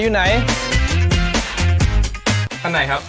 อันไหนครับ